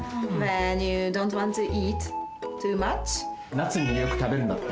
なつによくたべるんだって。